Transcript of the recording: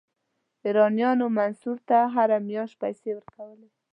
ایرانیانو منصور ته هره میاشت پیسې ورکولې.